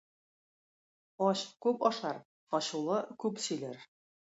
Ач күп ашар, ачулы күп сөйләр.